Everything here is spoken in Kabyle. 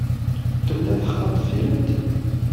Tella texxamt tilemt?